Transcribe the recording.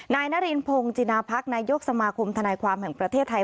นายนารินพงศ์จินาพักนายกสมาคมธนายความแห่งประเทศไทย